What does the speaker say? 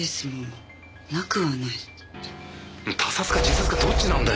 他殺か自殺かどっちなんだよ。